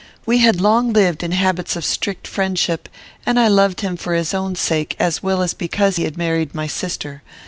We had long lived in habits of strict friendship, and I loved him for his own sake, as well as because he had married my sister.